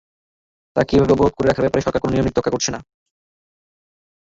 তাঁকে এভাবে অবরোধ করে রাখার ব্যাপারে সরকার কোনো নিয়ম-নীতির তোয়াক্কা করছে না।